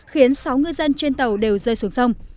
khiến sáu ngư dân trên tàu đều rơi xuống sông